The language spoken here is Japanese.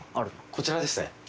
こちらですね。